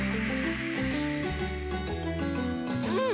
うん。